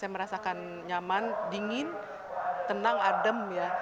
saya merasakan nyaman dingin tenang adem ya